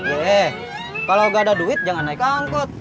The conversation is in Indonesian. eh kalau gak ada duit jangan naik angkot